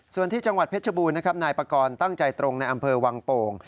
ส่วนที่จังหวัดเพชรบูรณนะครับนายปากรตั้งใจตรงในอำเภอวังโป่ง